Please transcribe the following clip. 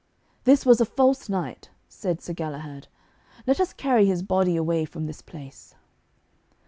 'This was a false knight,' said Sir Galahad. 'Let us carry his body away from this place.'